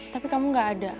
tapi kamu gak ada